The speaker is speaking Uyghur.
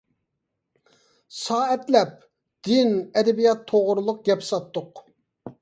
سائەتلەپ، دىن، ئەدەبىيات توغرۇلۇق گەپ ساتتۇق.